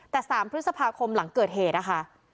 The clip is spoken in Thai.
แต่๓พฤษภาคมหลังเกิดเหตุนะคะ